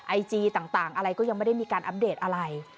ไอจีต่างอะไรก็ยังไม่ได้มีการอัปเดตอะไร